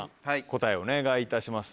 答えをお願いいたします。